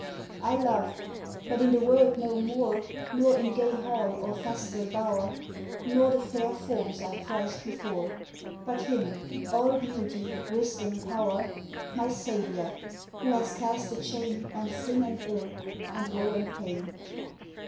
I love, but in the world no more, Nor in gay hall, or festal bower; Not the fair forms I prized before, But him, all beauty, wisdom, power, My Saviour, who has cast a chain On sin and ill, and woe and pain!